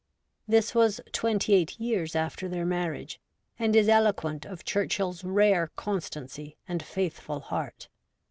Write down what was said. '' This was twenty eight years after their marriage, and is eloquent of Churchill's rare constancy and faithful heart.